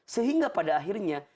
sehingga pada akhirnya